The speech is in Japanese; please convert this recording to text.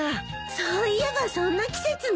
そういえばそんな季節ね。